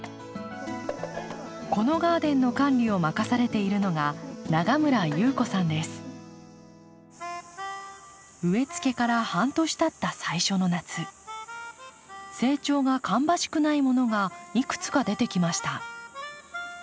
このガーデンの管理を任されているのが植えつけから半年たった最初の夏成長が芳しくないものがいくつか出てきました。